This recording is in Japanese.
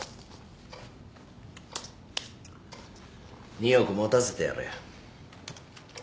２億持たせてやれ。